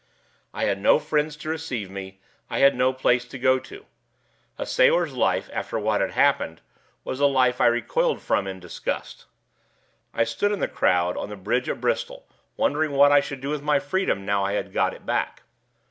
I had no friends to receive me; I had no place to go to. A sailor's life, after what had happened, was a life I recoiled from in disgust. I stood in the crowd on the bridge at Bristol, wondering what I should do with my freedom now I had got it back.